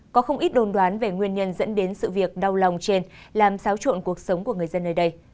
có không ít đồn đoán về nguyên nhân dẫn đến sự việc đau lòng trên làm xáo trộn cuộc sống của người dân nơi đây